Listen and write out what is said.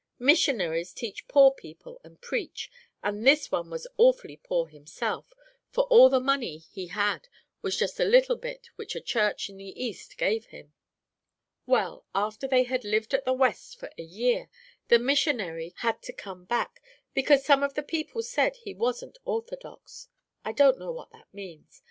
Missionaries teach poor people and preach, and this one was awfully poor himself, for all the money he had was just a little bit which a church in the East gave him. "Well, after they had lived at the West for a year, the missionary had to come back, because some of the people said he wasn't orthodox. I don't know what that means.